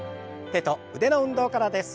手と腕の運動からです。